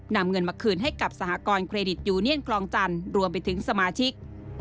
นำเงินมาคืนให้กับสหกรณเครดิตยูเนียนคลองจันทร์รวมไปถึงสมาชิก